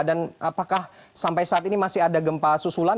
dan apakah sampai saat ini masih ada gempa susulan